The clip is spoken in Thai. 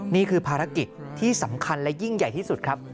นี่คือภารกิจที่สำคัญและยิ่งใหญ่ที่สุดครับ